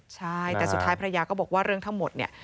ใช่แต่สุดท้ายภรรยาก็บอกว่าเรื่องทั้งหมดเนี่ย